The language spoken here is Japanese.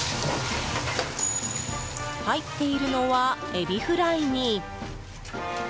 入っているのはエビフライに。